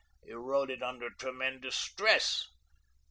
You wrote it under tremendous stress.